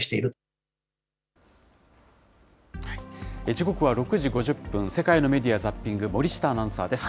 時刻は６時５０分、世界のメディア・ザッピング、森下アナウンサーです。